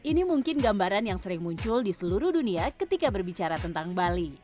ini mungkin gambaran yang sering muncul di seluruh dunia ketika berbicara tentang bali